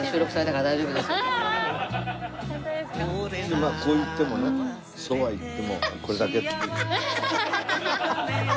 まあそう言ってもねそうは言ってもこれだけっていう。